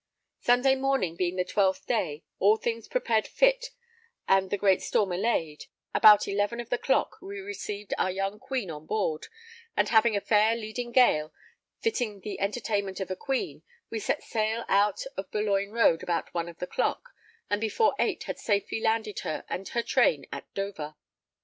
Sunday morning, being the 12th day, all things prepared fit and the great storm allayed, about 11 of the clock we received our young Queen on board, and having a fair leading gale, fitting the entertainment of a Queen, we set sail out of Boulogne Road about one [of the] clock, and before 8 had safely landed her and her train at Dover.